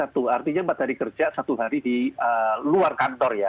artinya empat hari kerja satu hari di luar kantor ya